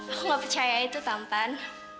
aku nggak percaya itu tampan